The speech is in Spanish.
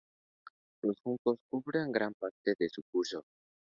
Los juncos cubren gran parte de su curso.